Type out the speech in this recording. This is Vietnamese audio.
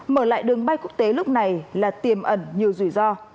mở lại đường bay quốc tế lúc này là tiềm ẩn nhiều rủi ro